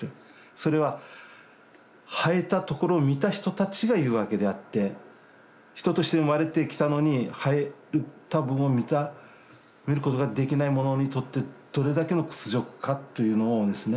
それは生えたところを見た人たちが言うわけであって人として生まれてきたのに生えた部分を見ることができない者にとってどれだけの屈辱かっていうのをですね